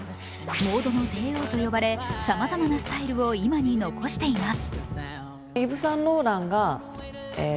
モードの帝王と呼ばれ、さまざまなスタイルを今に残しています。